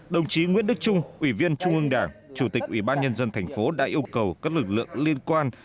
đồng chí nguyễn đức trung ủy viên trung ương đảng chủ tịch ủy ban nhân dân thành phố đã yêu cầu các lực lượng liên quan